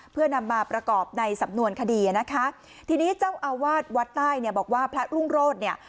เพื่อนำมาประกอบในสำนวนคดีนะคะทีนี้เจ้าอาวาสวัดใต้เนี่ยบอกว่าพระรุ่งโรธเนี่ย